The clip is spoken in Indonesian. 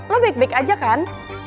lo baik baik aja kan